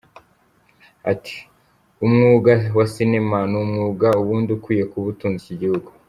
Ati "Umwuga wa sinema ni umwuga ubundi ukwiye kuba utunze iki gihugu.